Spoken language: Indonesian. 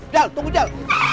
jal tunggu jal